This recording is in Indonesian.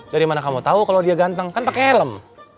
dari mana kamu tau kalo dia ganteng kan pake helm